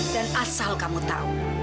dan asal kamu tahu